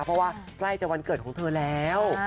เพราะว่าใกล้จะวันเกิดของเธอแล้ว